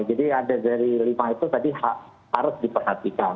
ada dari lima itu tadi harus diperhatikan